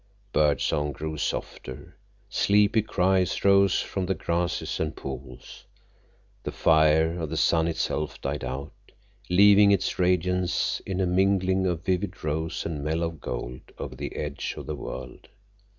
Bird song grew softer; sleepy cries rose from the grasses and pools; the fire of the sun itself died out, leaving its radiance in a mingling of vivid rose and mellow gold over the edge of the world.